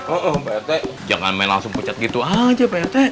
oh pak rt jangan main langsung pucat gitu aja pak rt